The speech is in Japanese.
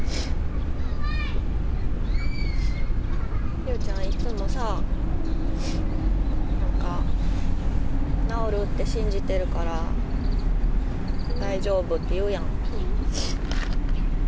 理央ちゃん、いっつもさ、治るって信じてるから大丈夫って言うやん。